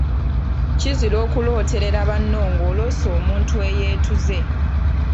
Kizira okulootololera banno ng'oloose omuntu eyeetuze.